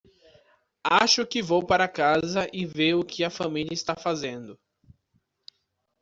Acho que vou para casa e ver o que a família está fazendo.